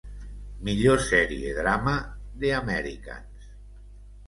Millor sèrie drama: ‘The Americans’